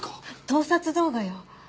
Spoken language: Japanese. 盗撮動画よ。